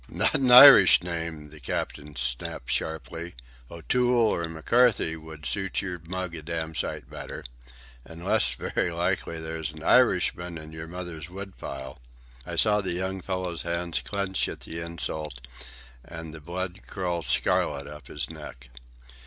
"Not an Irish name," the captain snapped sharply. "O'Toole or McCarthy would suit your mug a damn sight better. Unless, very likely, there's an Irishman in your mother's woodpile." I saw the young fellow's hands clench at the insult, and the blood crawl scarlet up his neck.